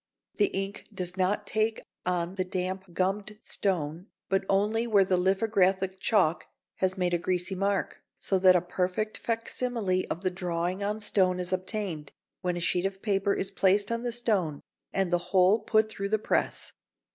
The ink does not take on the damp gummed stone, but only where the lithographic chalk has made a greasy mark, so that a perfect facsimile of the drawing on stone is obtained, when a sheet of paper is placed on the stone and the whole put through the press.